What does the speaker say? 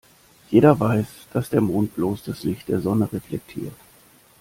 Jeder weiß, dass der Mond bloß das Licht der Sonne reflektiert.